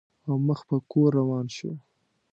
او مخ په کور روان شو.